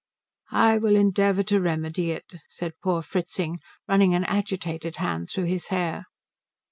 "I will endeavour to remedy it," said poor Fritzing, running an agitated hand through his hair.